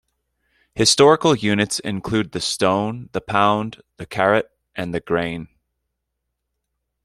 Historical units include the stone, the pound, the carat, and the grain.